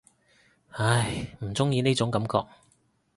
唉，唔中意呢種感覺